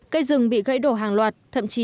cây rừng bị gãy đổ hàng loạt thậm chí